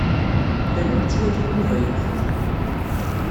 Llan akk ttwalin Yuba yemxel.